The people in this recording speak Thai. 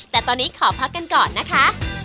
แต่ตอนนี้ขอพักกันก่อนนะคะ